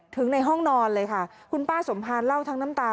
ในห้องนอนเลยค่ะคุณป้าสมภารเล่าทั้งน้ำตา